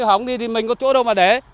hỏng đi thì mình có chỗ đâu mà để